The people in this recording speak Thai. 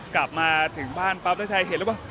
กลับมาถึงบ้านปั๊บแล้วชัยเห็นแล้วว่า